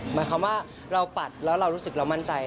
หมายความว่าเราปัดแล้วเรารู้สึกเรามั่นใจ